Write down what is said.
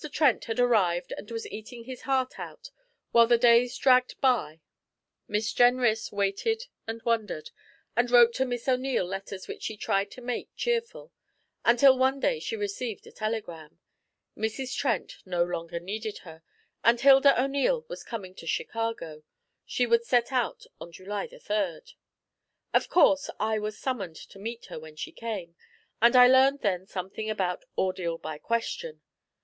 Trent had arrived and was eating his heart out while the days dragged by. Miss Jenrys waited and wondered, and wrote to Miss O'Neil letters which she tried to make cheerful, until one day she received a telegram. Mrs. Trent no longer needed her, and Hilda O'Neil was coming to Chicago. She would set out on July 3. Of course I was summoned to meet her when she came, and I learned then something about 'ordeal by question.'